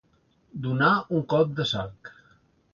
Donar un cop de sac.